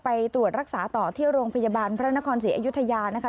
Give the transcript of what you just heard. ไปตรวจรักษาต่อที่โรงพยาบาลพระนครศรีอยุธยานะคะ